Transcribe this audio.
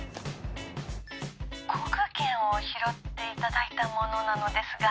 航空券を拾っていただいた者なのですが。